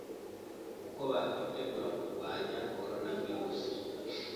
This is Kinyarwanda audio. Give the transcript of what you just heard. uko bakwitegura kurwanya corona virus